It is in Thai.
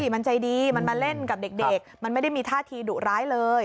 มันใจดีมันมาเล่นกับเด็กมันไม่ได้มีท่าทีดุร้ายเลย